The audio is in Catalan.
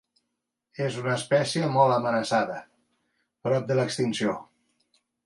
És una espècie molt amenaçada, prop de l'extinció.